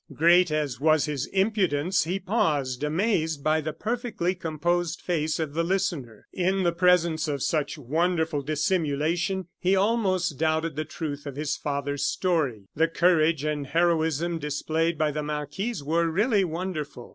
'" Great as was his impudence, he paused, amazed by the perfectly composed face of the listener. In the presence of such wonderful dissimulation he almost doubted the truth of his father's story. The courage and heroism displayed by the marquise were really wonderful.